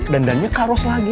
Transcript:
dandannya kak ros lagi